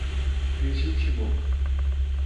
legítimo